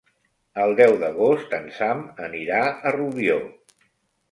El deu d'agost en Sam anirà a Rubió.